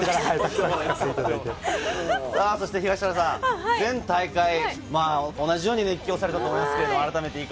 そして東原さん、前大会、同じように熱狂されたと思いますが。